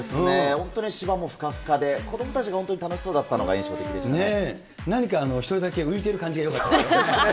本当に芝もふかふかで、子どもたちが本当に楽しそうだったのが印ねえ、何か一人だけ浮いてる感じがよかったね。